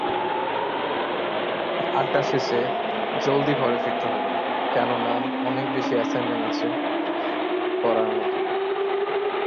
এতে রয়েছে বিভিন্ন ধরনের নামী দামী কয়েক হাজার বই।